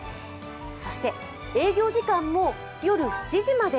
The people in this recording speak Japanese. そして営業時間も夜７時まで。